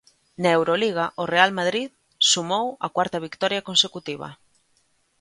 Na Euroliga o Real Madrid sumou a cuarta vitoria consecutiva.